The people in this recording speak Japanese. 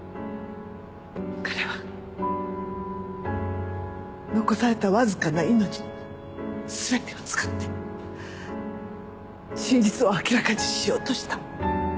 彼は残されたわずかな命の全てを使って真実を明らかにしようとした。